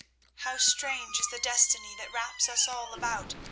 How strange is the destiny that wraps us all about!